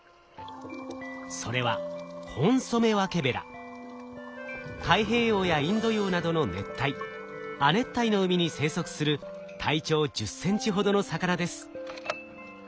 それは太平洋やインド洋などの熱帯亜熱帯の海に生息する体長１０センチほどの魚です。